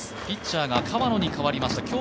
ピッチャーが河野に代わりました。